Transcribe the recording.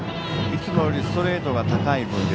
いつもよりストレートが高い分